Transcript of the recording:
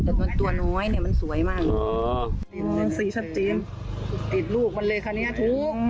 แต่ตัวน้อยเนี้ยมันสวยมากอ๋อมันสีชัดจีนติดลูกมันเลยค่ะเนี้ยทุก